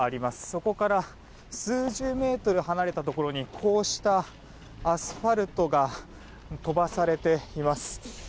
そこから数十メートル離れたところにこうしたアスファルトが飛ばされています。